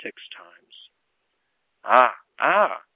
276 times. "Ah, ah!"